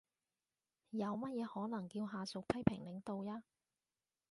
有乜嘢可能叫下屬批評領導呀？